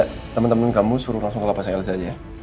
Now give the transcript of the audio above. riza teman teman kamu suruh langsung ke lapasnya elsa aja ya